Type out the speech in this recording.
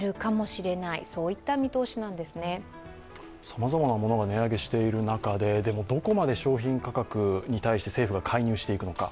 さまざまなものが値上げしている中で、どこまで商品価格に対して政府が介入していくのか。